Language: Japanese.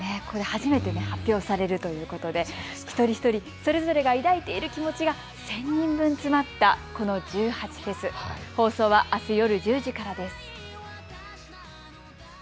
初めて発表されるということで一人一人それぞれが抱いている気持ちが１０００人分詰まったこの１８祭放送はあす夜１０時からです。。